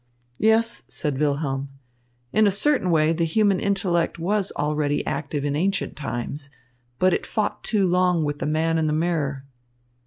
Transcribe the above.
"Yes," said Wilhelm, "in a certain way the human intellect was already active in ancient times, but it fought too long with the man in the mirror."